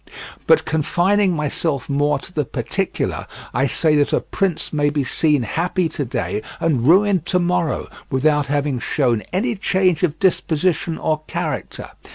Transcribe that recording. But confining myself more to the particular, I say that a prince may be seen happy to day and ruined to morrow without having shown any change of disposition or character.